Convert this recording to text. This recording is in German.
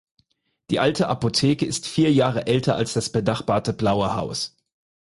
Die Alte Apotheke ist vier Jahre älter als das benachbarte Blaue Haus.